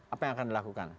apa yang akan dilakukan